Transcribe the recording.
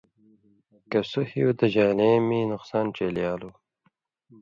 کہ سو ہیُو دژان٘لے مے نقصان ڇېلیالُوں